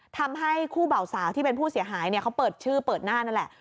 ทำให้คู่เบาสาวที่เป็นผู้เสียหายเขาเปิดชื่อเปิดหน้านั่นแหละ